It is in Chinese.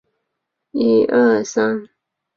官至提督衔徐州镇总兵。